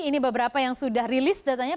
ini beberapa yang sudah rilis datanya